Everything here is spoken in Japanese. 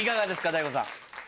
大悟さん。